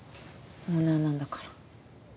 オーナーなんだから。